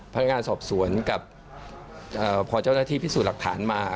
พนักงานสอบสวนกับพอเจ้าหน้าที่พิสูจน์หลักฐานมา